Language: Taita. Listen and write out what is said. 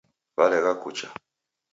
Walegha kucha